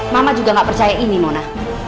mama juga nggak percaya ini mona